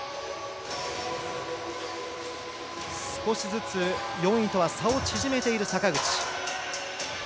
少しずつ４位とは差を縮めている坂口。